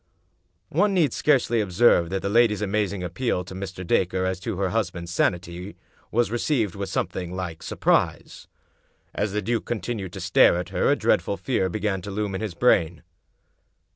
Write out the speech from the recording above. One need scarcely observe that the lady's amazing ap peal to Mr. Dacre as to her husband's sanity was received with something like surprise. As the duke continued to stare at her, a dreadful fear began to loom in his brain.